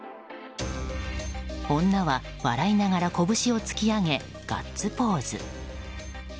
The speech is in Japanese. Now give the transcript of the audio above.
女は笑いながら拳を突き上げガッツポーズ。